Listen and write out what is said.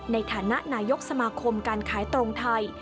ในฐานะนายกสมาคมการขายตรงไทย